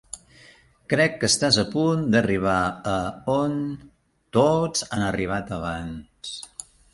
Crec que estàs a punt d'arribar a on... tots han arribat abans.